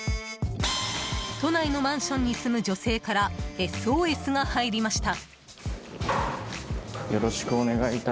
都内のマンションに住む女性からＳＯＳが入りました。